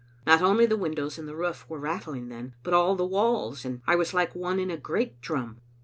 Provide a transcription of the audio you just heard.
Not only the windows and the roof were rattling then, but all the walls, and I was like one in a great drum.